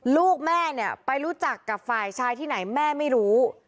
ลูกแม่เนี่ยไปรู้จักกับฝ่ายชายที่ไหนแม่ไม่รู้